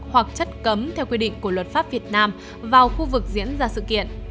hoặc chất cấm theo quy định của luật pháp việt nam vào khu vực diễn ra sự kiện